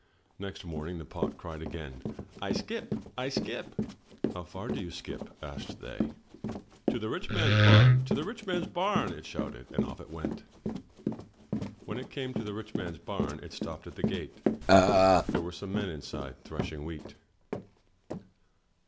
Next morning the pot again cried, "I skip, I skip!" "How far do you skip?" asked they. "To the rich man's bam, to the rich man's bam," it shouted, and off it went. When it came to the rich man's bam, it stopped at the gate. There were some men inside, threshing wheat.